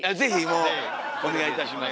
もうお願いいたします。